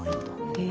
へえ。